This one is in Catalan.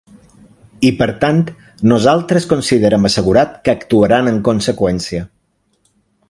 I per tant, nosaltres considerem assegurat que actuaran amb conseqüència.